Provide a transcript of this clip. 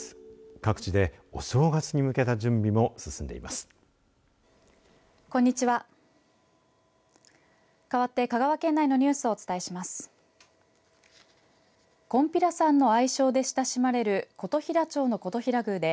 各地で、お正月に向けた準備も進んでいます。